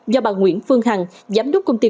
do bà nguyễn phương hằng giám đốc công ty